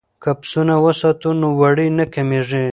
که پسونه وساتو نو وړۍ نه کمیږي.